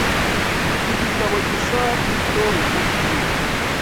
Iki gitabo gisa nkicyoroshye kuri njye.